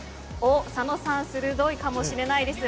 佐野さん鋭いかもしれないです。